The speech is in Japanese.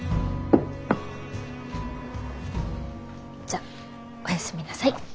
じゃお休みなさい。